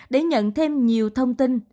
để nhận thêm nhiều thông tin